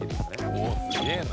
おっすげえな。